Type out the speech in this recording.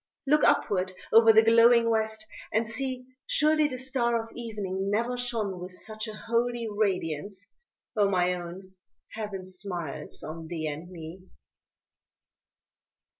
Look upward o'er the glowing West, and see, Surely the star of evening never shone With such a holy radiance oh, my own, Heaven smiles on thee and me.